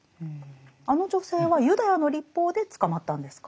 あの女性はユダヤの律法で捕まったんですか？